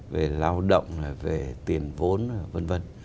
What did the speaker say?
về lao động về tiền vốn vân vân